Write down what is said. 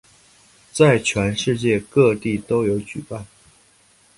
在全世界各地都有举办。